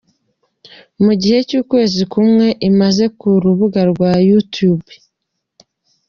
mu gihe cy’ukwezi kumwe imaze ku rubuga rwa Youtube.